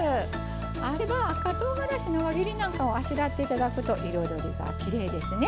あれば赤とうがらしの輪切りなんかをあしらって頂くと彩りがきれいですね。